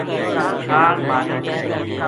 چھال ماری